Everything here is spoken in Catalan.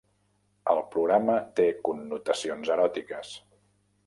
El programa té connotacions eròtiques.